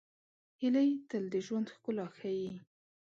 هیلۍ تل د ژوند ښکلا ښيي